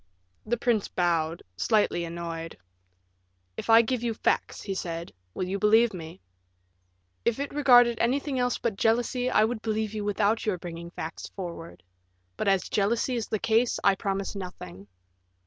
The prince bowed, slightly annoyed. "If I give you facts," he said, "will you believe me?" "If it regarded anything else but jealousy, I would believe you without your bringing facts forward; but as jealousy is the case, I promise nothing."